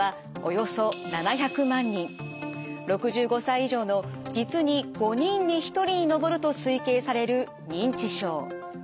６５歳以上の実に５人に１人に上ると推計される認知症。